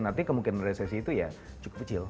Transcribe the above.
nanti kemungkinan resesi itu ya cukup kecil